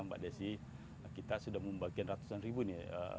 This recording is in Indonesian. mbak desi kita sudah membagi ratusan ribu ini